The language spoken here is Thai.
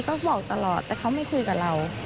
ก็บอกตลอดแต่เขาไม่คุยกับเรา